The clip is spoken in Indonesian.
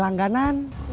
yang ia pa ini